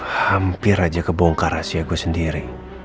hampir aja kebongkar rahasia gue sendiri